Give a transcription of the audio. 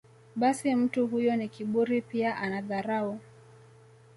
basi mtu huyo ni kiburi pia ana dharau